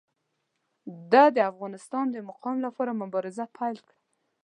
ده د افغانستان د مقام لپاره مبارزه پیل کړه.